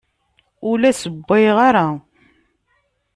Ur la ssewwayeɣ ara.